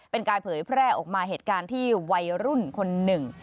เป็นการเผยแพร่ออกมาเหตุการณ์ที่วัยรุ่นคนหนึ่ง